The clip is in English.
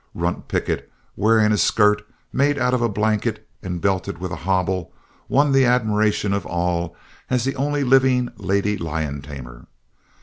Runt Pickett, wearing a skirt made out of a blanket and belted with a hobble, won the admiration of all as the only living lady lion tamer.